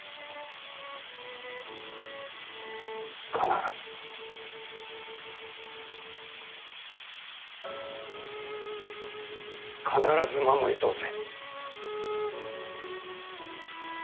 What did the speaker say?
必ず必ず守り通せ。